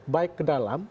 baik ke dalam